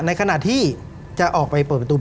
ในขณะที่จะออกไปเปิดประตู